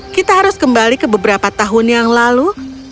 kita harus kembali ke beberapa tahun yang lalu